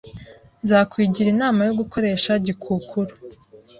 nzakwigira inama yo gukoresha gikukuru